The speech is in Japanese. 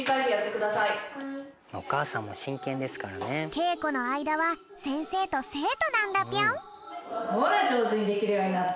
けいこのあいだはせんせいとせいとなんだぴょん。